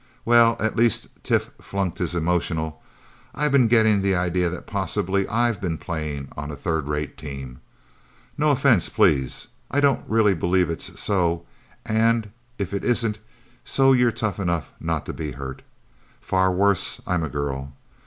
Well at least since Tif flunked his emotional I've been getting the idea that possibly I've been playing on a third rate team. No offense, please I don't really believe it's so, and if it isn't so you're tough enough not to be hurt. Far worse I'm a girl.